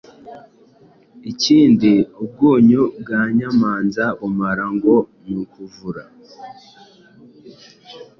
ikindi ubwunyu bwa nyamanza bumara ngo nukuvura